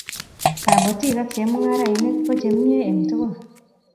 kabotik ak chemungarainik ko chemie en tokol